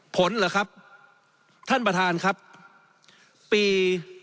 ผลเหรอครับท่านประธานครับปี